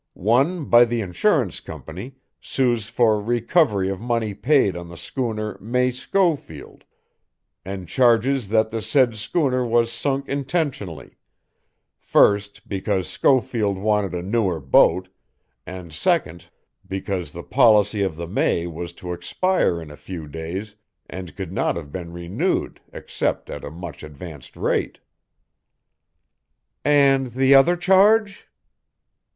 One, by the insurance company, sues for recovery of money paid on the schooner May Schofield, and charges that the said schooner was sunk intentionally, first because Schofield wanted a newer boat, and second because the policy of the May was to expire in a few days and could not have been renewed except at a much advanced rate." "And the other charge?"